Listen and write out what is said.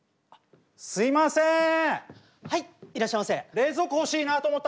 ああすいません。